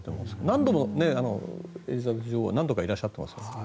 何度かエリザベス女王はいらっしゃってますね。